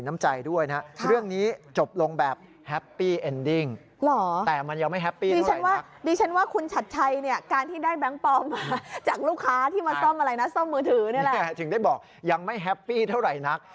ไม่บอกยังไม่แฮปปี้เท่าไหร่นัก